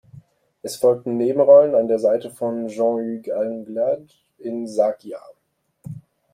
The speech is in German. Es folgten Nebenrollen an der Seite von Jean-Hugues Anglade in "Sag ja!